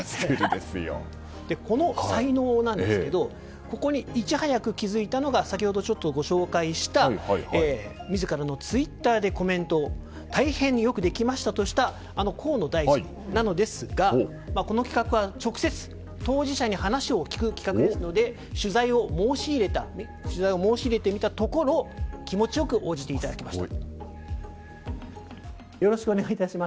この才能なんですけどここにいち早く気付いたのが先ほどちょっとご紹介した自らのツイッターでコメントたいへんよくできましたとしたあの河野大臣なのですがこの企画は直接当事者に話を聞く企画ですから取材を申し入れてみたところ気持ちよく応じていただきました。